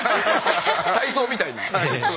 体操みたいに！